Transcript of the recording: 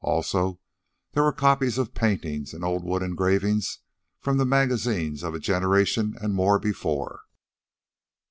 Also, there were copies of paintings and old wood engravings from the magazines of a generation and more before.